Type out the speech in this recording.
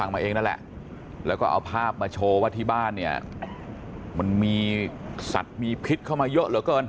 มีภาพมาโชว์ว่าที่บ้านเนี่ยมันมีสัตว์มีพิษเข้ามาเยอะเหรอเกิน